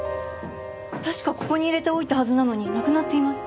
確かここに入れておいたはずなのになくなっています。